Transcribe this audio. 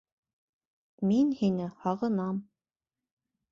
Мин һине һағынам